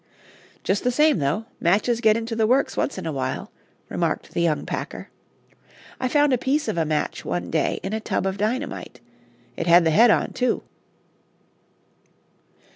"Just the same, though, matches get into the works once in a while," remarked the young packer. "I found a piece of a match one day in a tub of dynamite; it had the head on, too.